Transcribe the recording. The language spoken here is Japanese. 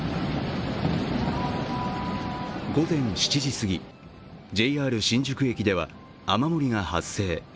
午後７時すぎ、ＪＲ新宿駅では雨漏りが発生。